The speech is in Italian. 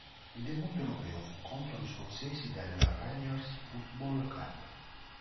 Il debutto europeo fu contro gli scozzesi del Rangers Football Club.